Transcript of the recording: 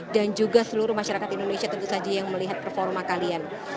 dan juga seluruh masyarakat indonesia tentu saja yang melihat performa kalian